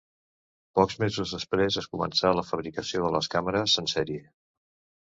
Pocs mesos després es començà la fabricació de les càmeres en sèrie.